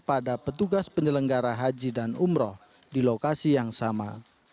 pada petugas penyelenggara haji dan umroh di lokasi yang sama